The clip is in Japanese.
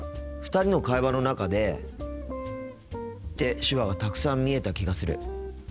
２人の会話の中でって手話がたくさん見えた気がする。